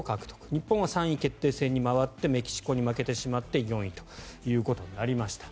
日本は３位決定戦に進んでメキシコに負けてしまって４位ということになりました。